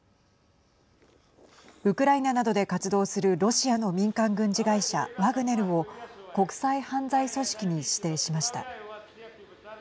ウクライナなどで活動するロシアの民間軍事会社ワグネルを国際犯罪組織に指定しました。